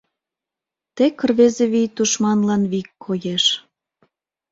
Тек рвезе вий тушманлан вик коеш.